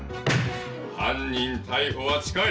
犯人逮捕は近い！